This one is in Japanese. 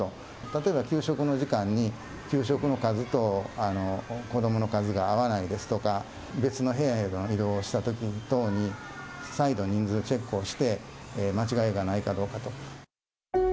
例えば給食の時間に、給食の数と子どもの数が合わないですとか、別の部屋へ移動したとき等に、再度人数チェックをして、間違いがないかどうかと。